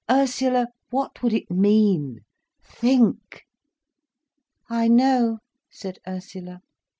Ursula, what would it mean?—think!" "I know," said Ursula.